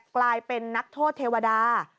กลายเป็นนักโทษเทวดา